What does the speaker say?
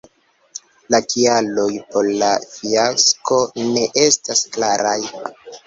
La kialoj por la fiasko ne estas klaraj.